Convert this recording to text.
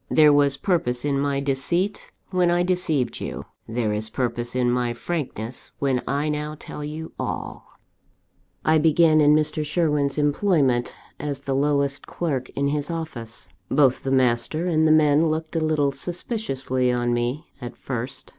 There was purpose in my deceit, when I deceived you there is purpose in my frankness, when I now tell you all." "I began in Mr. Sherwin's employment, as the lowest clerk in his office. Both the master and the men looked a little suspiciously on me, at first.